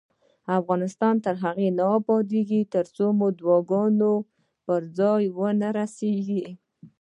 افغانستان تر هغو نه ابادیږي، ترڅو مو دعاګانې پر ځای ونه رسیږي.